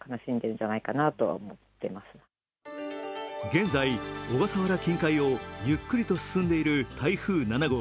現在、小笠原近海をゆっくりと進んでいる台風７号。